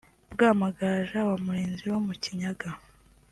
bwa Magaja ya Murinzi wo mu Kinyaga